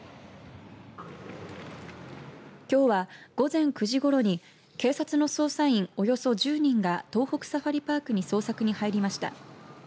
きょうは午前９時ごろに警察の捜査員およそ１０人が東北サファリパークに捜索に入りました。